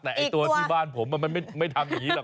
แต่ไอ้ตัวที่บ้านผมมันไม่ทำอย่างนี้หรอก